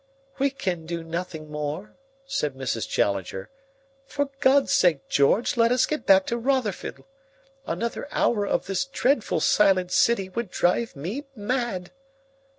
"We can do nothing more," said Mrs. Challenger. "For God's sake, George, let us get back to Rotherfield. Another hour of this dreadful, silent city would drive me mad."